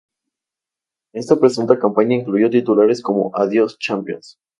Esta presunta campaña incluyó titulares como "Adiós, Champions.